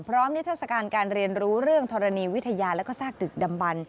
นิทัศกาลการเรียนรู้เรื่องธรณีวิทยาแล้วก็ซากดึกดำบัน